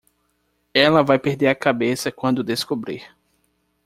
Ela vai perder a cabeça quando descobrir.